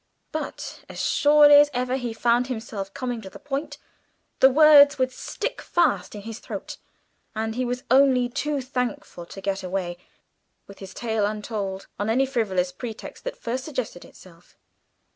But as surely as ever he found himself coming to the point, the words would stick fast in his throat, and he was only too thankful to get away, with his tale untold, on any frivolous pretext that first suggested itself.